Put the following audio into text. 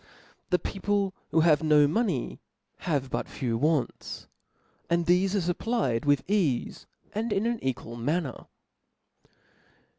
The people who have no money, have but few wants ; and thefe are fupplied with eafe, and in an equal manner.